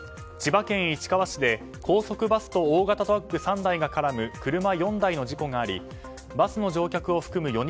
千葉県市川市で高速バスと大型トラック３台が絡む車４台の事故がありバスの乗客を含む